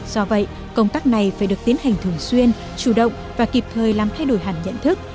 do vậy công tác này phải được tiến hành thường xuyên chủ động và kịp thời làm thay đổi hẳn nhận thức